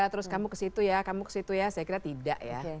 terus kamu ke situ ya kamu ke situ ya saya kira tidak ya